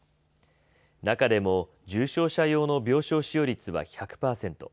中でも、重症者用の病床使用率は１００％。